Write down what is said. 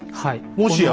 もしや？